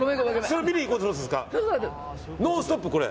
「ノンストップ！」、これ。